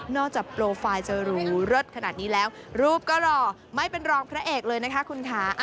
จากโปรไฟล์จะหรูเลิศขนาดนี้แล้วรูปก็หล่อไม่เป็นรองพระเอกเลยนะคะคุณค่ะ